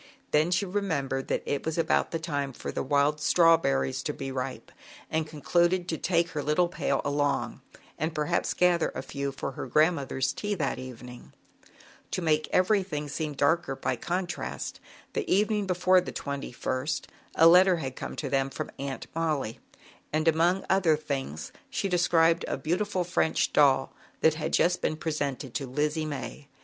Then she remembered about the time for the wild strawberries \^k i | to be ripe and concluded to take her 1 I ,h at it was ZAUBERLINDA, THE WISE WITCH. 81 little pail along and perhaps gather a few for her grandmother's tea that evening. To make everything seem darker by contrast, the evening before the 2ist a letter had come to them from Aunt Molly, and among other things, she described a beautiful French doll that had just been presented to Lizzie May.